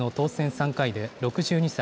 ３回で６２歳。